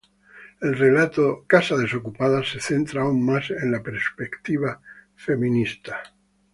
El relato "Casa desocupada" se centra aún más en la perspectiva feminista.